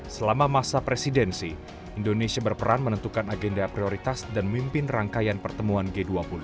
selama masa presidensi indonesia berperan menentukan agenda prioritas dan mimpin rangkaian pertemuan g dua puluh